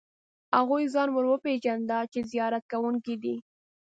هغوی ځان ور وپېژاند چې زیارت کوونکي دي.